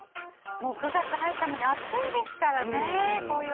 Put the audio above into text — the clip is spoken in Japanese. ９月入ったのに暑いですからね。